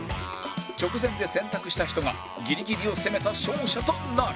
直前で選択した人がギリギリを攻めた勝者となる